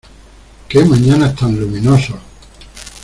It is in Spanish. Qué mañanas tan luminosos.